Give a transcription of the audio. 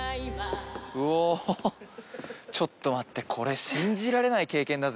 うおちょっと待ってこれ信じられない経験だぜ。